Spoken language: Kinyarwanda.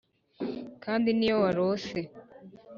kandi niyo warose